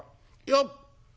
よっ。